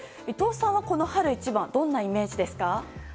伊藤さんは春一番どんなイメージですか？